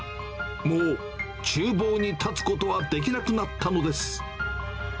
もうちゅう房に立つことはできなくなったのです。